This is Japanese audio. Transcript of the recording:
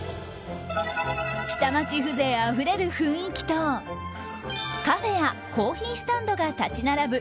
下町風情あふれる雰囲気とカフェやコーヒースタンドが立ち並ぶ